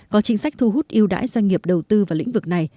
có chính sách thu hút yêu đãi doanh nghiệp đầu tư vào lĩnh vực này